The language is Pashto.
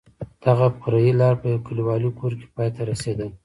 دغه فرعي لار په یو کلیوالي کور کې پای ته رسېدل.